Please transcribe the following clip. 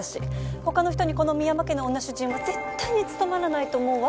他の人にこの深山家の女主人は絶対に務まらないと思うわ。